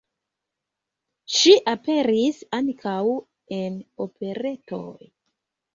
Ŝi aperis ankaŭ en operetoj.